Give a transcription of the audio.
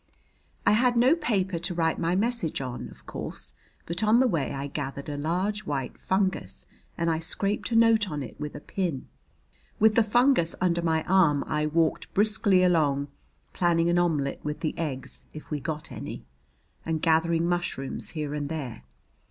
I had no paper to write my message on, of course, but on the way I gathered a large white fungus and I scraped a note on it with a pin. With the fungus under my arm I walked briskly along, planning an omelet with the eggs, if we got any, and gathering mushrooms here and there.